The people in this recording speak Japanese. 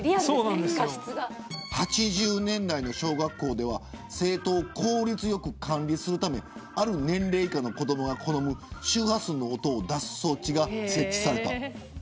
８０年代の小学校では生徒を効率よく管理するためある年齢以下の子どもが好む周波数の音を出す装置が設置された。